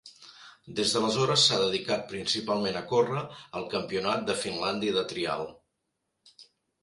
Des d'aleshores s'ha dedicat principalment a córrer el Campionat de Finlàndia de trial.